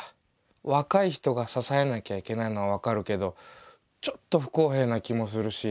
若い人が支えなきゃいけないのはわかるけどちょっと不公平な気もするし。